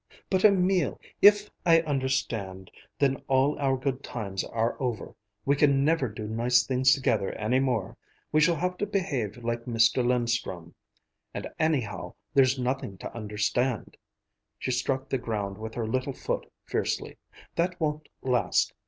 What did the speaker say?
"But, Emil, if I understand, then all our good times are over, we can never do nice things together any more. We shall have to behave like Mr. Linstrum. And, anyhow, there's nothing to understand!" She struck the ground with her little foot fiercely. "That won't last.